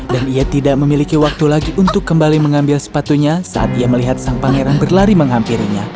dan ia tidak memiliki waktu lagi untuk kembali mengambil sepatunya saat ia melihat sang pangeran berlari menghampirinya